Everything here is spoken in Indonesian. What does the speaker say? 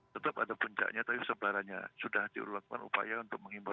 tetap ada puncaknya tapi sebarannya sudah dilakukan upaya untuk mengimbau